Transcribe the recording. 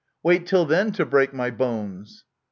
Wait till then to break my bones